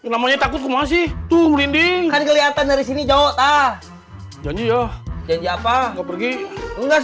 namanya takut masih tuh merinding kelihatan dari sini jauh jajah janji apa pergi nggak